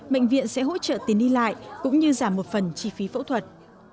bệnh viện sẽ hỗ trợ tiền đi lại cũng như giảm một phần chi phí phẫu thuật